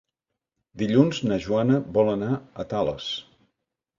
Dilluns na Joana vol anar a Tales.